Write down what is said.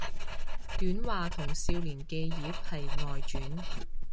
短話同少年寄葉係外傳